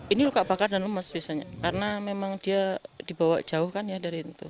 ini luka bakar dan lemas biasanya karena memang dia dibawa jauh kan ya dari itu